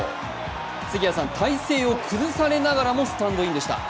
杉谷さん、体勢を崩されながらもスタンドインでした。